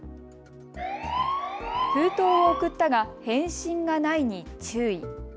封筒を送ったが返信がないに注意。